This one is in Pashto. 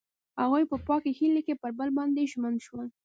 هغوی په پاک هیلې کې پر بل باندې ژمن شول.